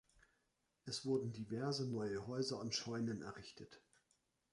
Es wurden diverse neue Häuser und Scheunen errichtet.